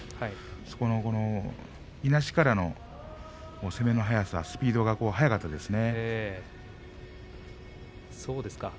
そこからの攻めの速さスピードが速かったですね。